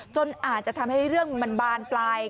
จนอาจจะทำให้เรื่องมันบานปลาย